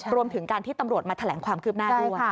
รวมถึงการที่ตำรวจมาแถลงความคืบหน้าด้วย